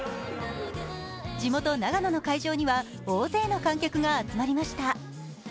地元・長野の会場には大勢の観客が集まりました。